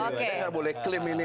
saya nggak boleh klaim ini